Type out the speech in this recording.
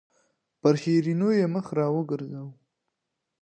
پر شیرینو یې مخ راوګرځاوه.